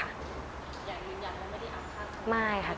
อย่างยืนยังไม่ได้อับค่าตัว